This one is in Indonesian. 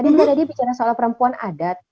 tadi mbak deddy bicara soal perempuan adat